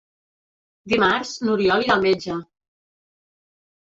Dimarts n'Oriol irà al metge.